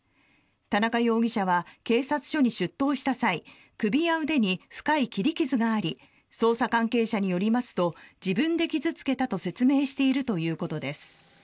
田中容疑者は警察署に出頭した際首や腕に深い切り傷があり捜査関係者によりますと自分で傷付けたと説明しているということです。